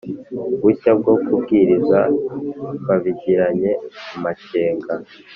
bushya bwo kubwiriza babigiranye amakenga